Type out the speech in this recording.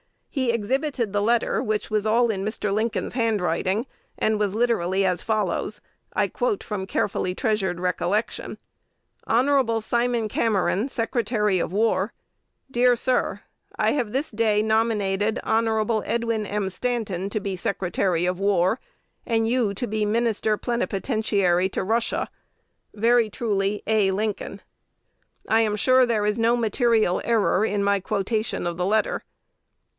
He exhibited the letter, which was all in Mr. Lincoln's handwriting, and was literally as follows. I quote from carefully treasured recollection: "'Hon. Simon Cameron, Secretary of War. "Dear Sir, I have this day nominated Hon. Edwin M. Stanton to be Secretary of War, and you to be Minister Plenipotentiary to Russia. "I am sure there is no material error in my quotation of the letter.